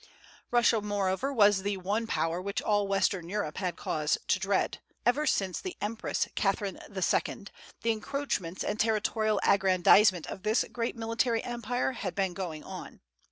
Russia, moreover, was the one power which all western Europe had cause to dread. Ever since the Empress Catherine II., the encroachments and territorial aggrandizement of this great military empire had been going on.